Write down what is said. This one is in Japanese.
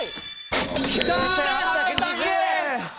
９８２０円！